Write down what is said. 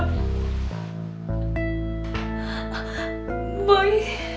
itu gak mungkin